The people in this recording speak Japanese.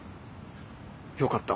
よかった。